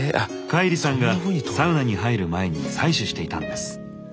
カイリさんがサウナに入る前に採取していたんです。